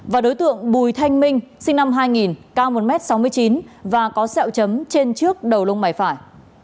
và đối tượng bùi thanh minh sinh năm hai nghìn cao một m sáu mươi chín và có sẹo chấm trên trước đầu lông mày phải